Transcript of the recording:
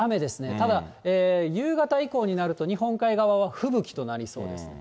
ただ夕方以降になると、日本海側は吹雪となりそうです。